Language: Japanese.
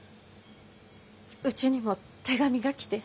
うちにも手紙が来て。